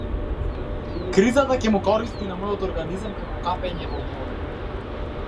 Кризата ќе му користи на мојот организам како капење во море.